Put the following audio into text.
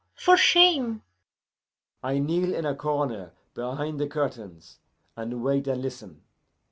For shame!' "I kneel in a corner behind the curtains, and wait and listen.